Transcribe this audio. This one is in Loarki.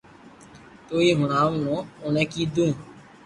تو ھي ھڻاو تو اوڻي ڪيدو